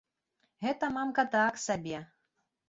Гэта мамка так сабе!